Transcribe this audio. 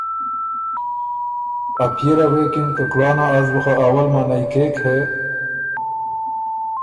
ا پئے له غوېکِن که کُلانا از بُو خه اول منعئ کېک هې